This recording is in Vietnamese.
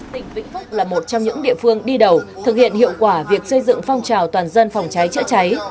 tp vịnh phúc là một trong những địa phương đi đầu thực hiện hiệu quả việc xây dựng phòng trào toàn dân phòng cháy chữa cháy